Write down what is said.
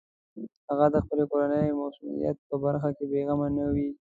هغه د خپلې کورنۍ مصونیت په برخه کې بېغمه نه وي.